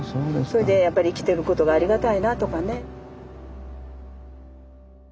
それでやっぱり生きてることがありがたいなとかね。